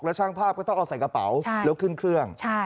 แล้วช่างภาพก็ต้องเอาใส่กระเป๋าแล้วขึ้นเครื่อง